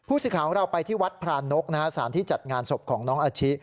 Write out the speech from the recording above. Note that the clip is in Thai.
สิทธิ์ของเราไปที่วัดพรานกนะฮะสารที่จัดงานศพของน้องอาชิ